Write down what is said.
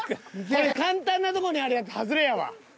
これ簡単なとこにあるやつはずれやわ。